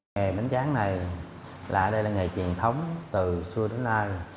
ngày bánh tráng này lại đây là ngày truyền thống từ xưa đến nay